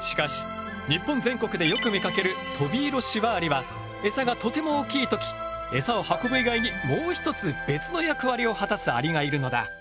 しかし日本全国でよく見かけるトビイロシワアリはエサがとても大きい時エサを運ぶ以外にもう一つ別の役割を果たすアリがいるのだ。